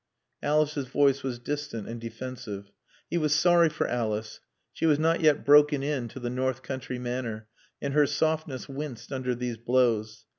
Alice's voice was distant and defensive. He was sorry for Alice. She was not yet broken in to the north country manner, and her softness winced under these blows.